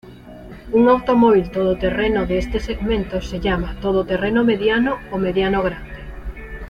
Un automóvil todoterreno de este segmento se llama "todoterreno mediano" o "mediano grande".